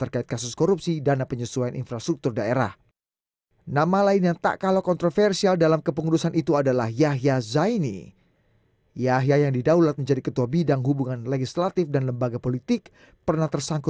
kasah kursus kadang kita cuma dikasih tau